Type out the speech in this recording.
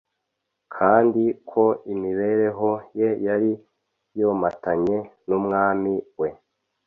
kandi ko imibereho ye yari yomatanye n’Umwami we.